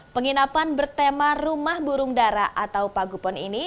penginapan bertema rumah burung darah atau pagupon ini